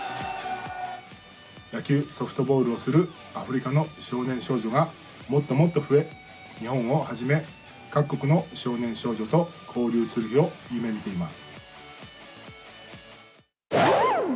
野球・ソフトボールをするアフリカの少年少女がもっともっと増え、日本をはじめ、各国の少年少女と交流する日を夢みています。